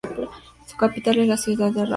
Su capital es la ciudad de Rapla.